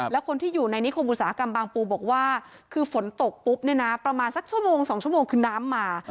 แล้วคนที่อยู่ในนิคมอุตสาหกรรมบางปูบอกว่าคือฝนตกปุ๊บเนี่ยนะประมาณสักชั่วโมง๒ชั่วโมงคือน้ำมา